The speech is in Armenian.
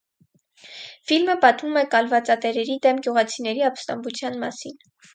Ֆիլմը պատմում է կալվածատերերի դեմ գյուղացիների ապստամբության մասին։